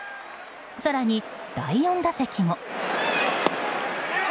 更に第４打席も。